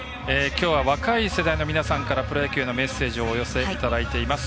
きょうは若い世代の皆さんからプロ野球のメッセージをお寄せいただいています。